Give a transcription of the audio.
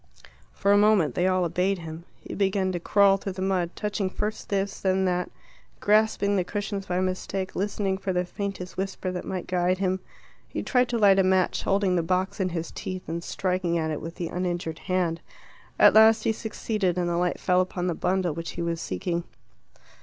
For a moment they all obeyed him. He began to crawl through the mud, touching first this, then that, grasping the cushions by mistake, listening for the faintest whisper that might guide him. He tried to light a match, holding the box in his teeth and striking at it with the uninjured hand. At last he succeeded, and the light fell upon the bundle which he was seeking.